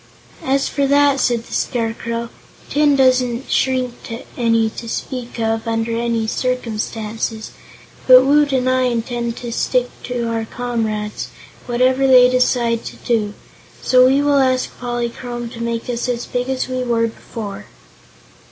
"As for that," said the Scarecrow, "tin doesn't shrink any to speak of, under any circumstances. But Woot and I intend to stick to our comrades, whatever they decide to do, so we will ask Polychrome to make us as big as we were before."